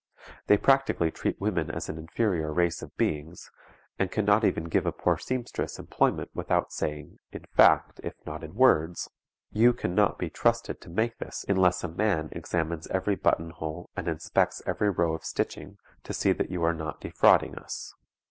They practically treat women as an inferior race of beings, and can not even give a poor seamstress employment without saying, in fact if not in words, "You can not be trusted to make this unless a man examines every button hole, and inspects every row of stitching, to see that you are not defrauding us."